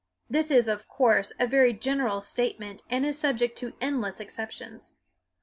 This is, of course, a very general statement and is subject to endless exceptions.